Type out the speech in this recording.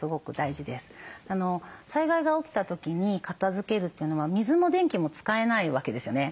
災害が起きた時に片づけるというのは水も電気も使えないわけですよね。